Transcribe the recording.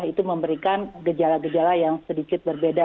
itu memberikan gejala gejala yang sedikit berbeda